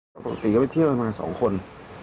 ปรีก็ไปเที่ยวมา๒คน